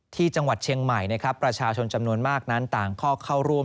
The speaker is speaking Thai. ที่จังหวัดเชียงใหม่นะครับประชาชนจำนวนมากนั้นต่างก็เข้าร่วม